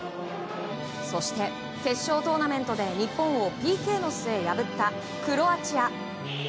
そして、決勝トーナメントで日本をＰＫの末破ったクロアチア。